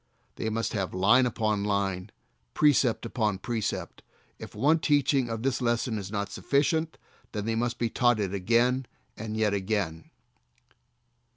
They must have "line upon line, precept upon precept." If one teaching of the lesson is not sufficient then they must be taught it again and yet again.